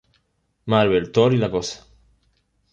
Marvel, Thor y la Cosa.